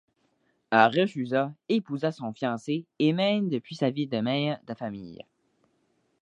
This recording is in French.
Elle refusa, épousa son fiancé, et mène depuis sa vie de mère de famille.